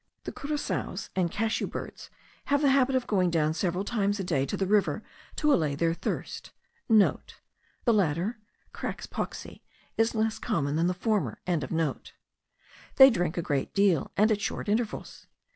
The curassaos and cashew birds* have the habit of going down several times a day to the river to allay their thirst. (* The latter (Crax pauxi) is less common than the former.) They drink a great deal, and at short intervals.